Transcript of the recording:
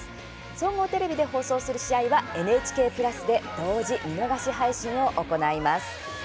総合テレビで放送する試合はＮＨＫプラスで同時、見逃し配信を行います。